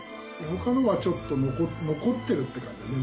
他のはちょっと残ってるって感じだね。